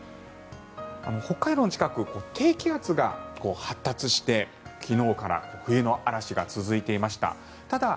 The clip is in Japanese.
北海道の近く、低気圧が発達して昨日から冬の嵐が続いていました。